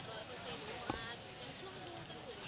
ตอนนี้อยู่ในช่วง